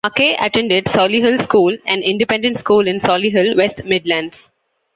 MacKay attended Solihull School, an independent school in Solihull, West Midlands.